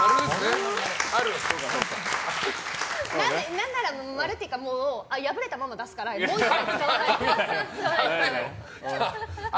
何なら、○っていうか破れたまま出すからもう１個使わない。